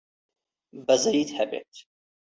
بەزەییت هەبێت!